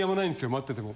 待ってても。